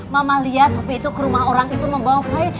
mama liah sofya itu ke rumah orang itu membawa fire